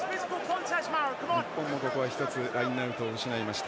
日本も、ここは１つラインアウトを失いました。